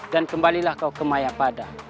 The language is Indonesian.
dan kembalilah kau ke mayapada